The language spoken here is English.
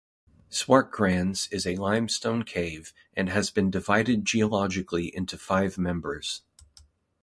Swartkrans is a limestone cave and has been divided geologically into five members.